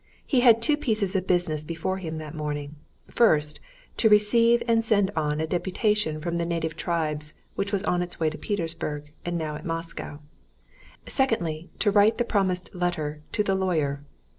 He had two pieces of business before him that morning; first, to receive and send on a deputation from the native tribes which was on its way to Petersburg, and now at Moscow; secondly, to write the promised letter to the lawyer.